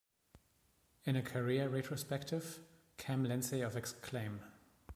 In a career retrospective, Cam Lindsay of Exclaim!